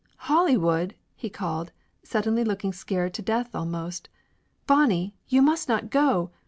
"Hollywood!" he called, suddenly looking scared to death almost. "Bonnie you must not go!